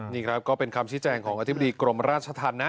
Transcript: นี่ครับก็เป็นคำชี้แจงของอธิบดีกรมราชธรรมนะ